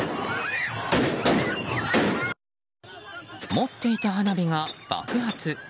持っていた花火が爆発。